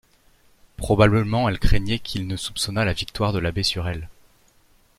Probablement elle craignait qu'il ne soupçonnât la victoire de l'abbé sur elle.